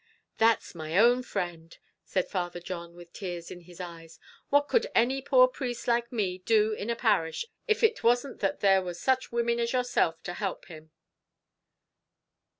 "That's my own friend!" said Father John with tears in his eyes. "What could any poor priest like me do in a parish, if it wasn't that there were such women as yourself to help him?"